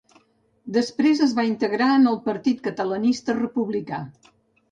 Després es va integrar en el Partit Catalanista Republicà.